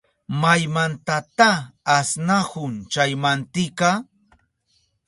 ¿Maymantata asnahun chay mantika?